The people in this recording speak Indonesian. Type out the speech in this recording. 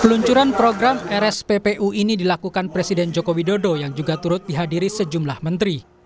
peluncuran program rsppu ini dilakukan presiden joko widodo yang juga turut dihadiri sejumlah menteri